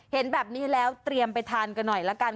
เห็นแบบนี้แล้วเตรียมไปทานกันหน่อยละกัน